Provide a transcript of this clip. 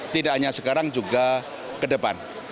tidak hanya sekarang juga ke depan